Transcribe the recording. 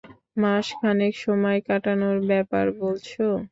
মাস খানেক সময় কাটানোর ব্যাপারে বলছ?